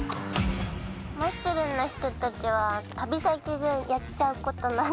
マッスルな人たちは旅先でやっちゃうこと何？